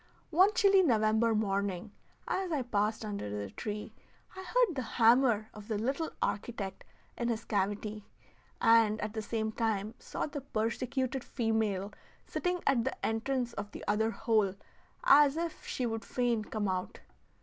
One chilly November morning, as I passed under the tree, I heard the hammer of the little architect in his cavity, and at the same time saw the persecuted female sitting at the entrance of the other hole as if she would fain come out.